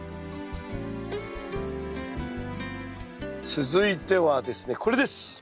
続いてはですねこれです。